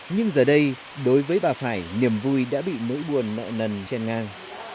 nhưng giờ đây đối với bà phải niềm vui đã bị nỗi buồn nợ nần trên ngang